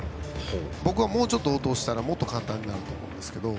僕はもうちょっと落としたらもっと簡単になると思います。